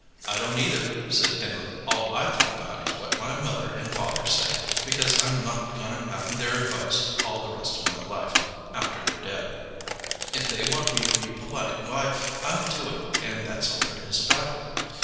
"I don't either," said Henry. "All I think about is what my father and mother say, because I'm not goin' to have their advice all the rest o' my life, after they're dead. If they want me to be polite, why, I'll do it and that's all there is about it."